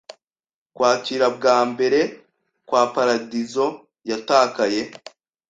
"Kwakira kwa mbere kwa paradizo yatakaye